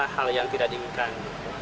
hal yang tidak diinginkan